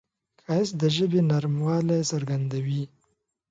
ښایست د ژبې نرموالی څرګندوي